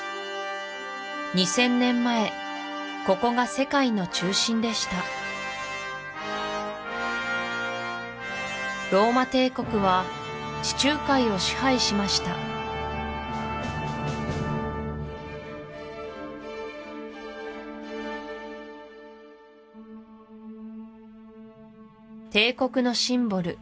２０００年前ここが世界の中心でしたローマ帝国は地中海を支配しました帝国のシンボル